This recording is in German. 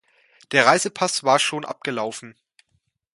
Der Reisepass war schon abgelaufen.